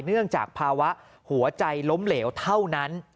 เนื่องจากภาวะหัวใจล้มเหลวเท่านั้น